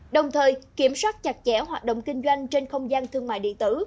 đồng thời kiểm soát chặt chẽ hoạt động kinh doanh trên không gian thương mại điện tử